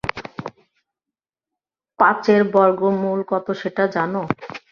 পাঁচের বর্গমূল কত সেটা জান?